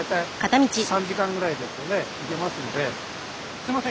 すいません。